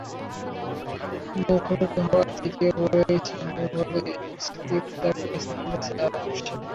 মুখোমুখি হওয়ার তৃতীয় বলেই সামির বলে স্লিপে তাঁর ক্যাচ ফেলেছেন অশ্বিন।